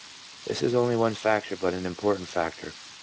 This is only one factor, but an im portant factor.